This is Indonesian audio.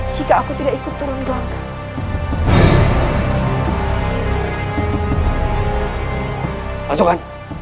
jika aku tidak ikut turun ke lantai